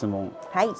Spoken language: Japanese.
はい。